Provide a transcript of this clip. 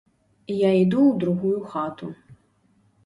Я іду ў другую хату.